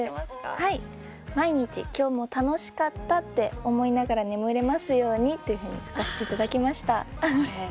「毎日、きょうも楽しかったって思いながら、眠れますように」と書かせていただきました。